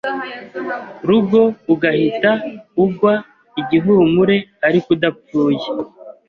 rugo ugahita ugwa igihumure ariko udapfuye